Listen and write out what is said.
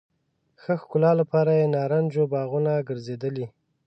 ښه ښکلا لپاره یې نارنجو باغونه ګرځېدلي.